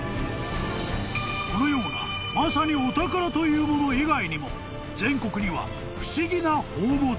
［このようなまさにお宝というもの以外にも全国には不思議な宝物も］